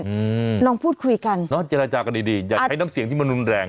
อืมลองพูดคุยกันเนอะเจรจากันดีดีอย่าใช้น้ำเสียงที่มันรุนแรง